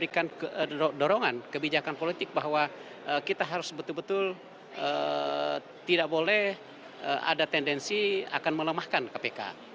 dan yang ketiga kita harus memberikan dorongan kebijakan politik bahwa kita harus betul betul tidak boleh ada tendensi akan melemahkan kpk